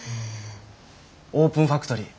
オープンファクトリー